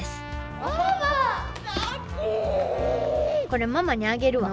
これママにあげるわ。